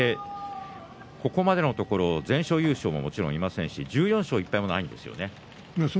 ここまでのところ全勝優勝もいませんし１４勝１敗もいないんですよね。